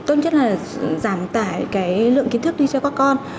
tôn chất là giảm tải lượng kiến thức đi cho các con